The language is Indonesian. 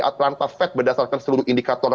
atlanta fed berdasarkan seluruh indikator